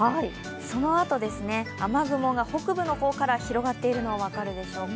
そのあと雨雲が北部の方から広がっているのが分かるでしょうか。